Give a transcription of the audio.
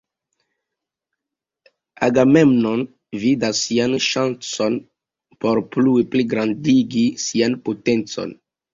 Agamemno vidas sian ŝancon por plue pligrandigi sian potencon.